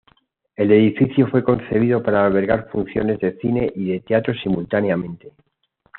El edificio fue concebido para albergar funciones de cine y de teatro simultáneamente.